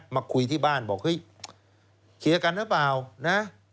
มาคุยที่บ้านบอกเฮ้ยเคลียร์กันหรือเปล่านะ